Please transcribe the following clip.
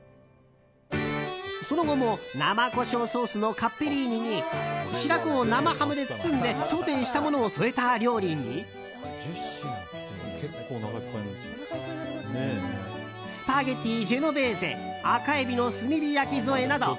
その後も生胡椒ソースのカッペリーニに白子を生ハムで包んでソテーしたものを添えた料理にスパゲティージェノベーゼ赤海老の炭火焼き添えなど